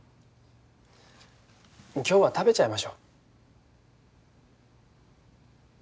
今日は食べちゃいましょう。